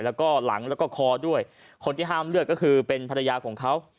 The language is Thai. แล้วก็หลังแล้วก็คอด้วยคนที่ห้ามเลือดก็คือเป็นภรรยาของเขา